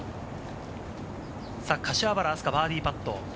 柏原明日架、バーディーパット。